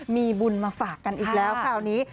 มีบุญมาฝากกันอีกแล้วคราวนี้